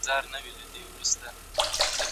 مرغۍ د بښنې روحیه درلوده خو د عدالت غوښتونکې وه.